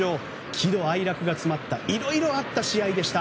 喜怒哀楽が詰まったいろいろあった試合でした。